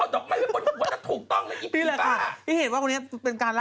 ตอนนี้ก็เสียใจแล้วอะ